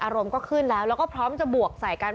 อารมณ์ก็ขึ้นแล้วแล้วก็พร้อมจะบวกใส่กัน